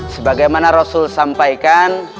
sebagaimana rasul sampaikan